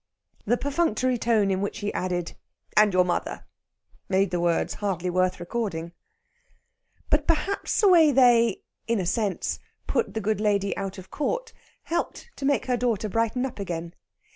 The perfunctory tone in which he added, "and your mother," made the words hardly worth recording. But perhaps the way they, in a sense, put the good lady out of court, helped to make her daughter brighten up again.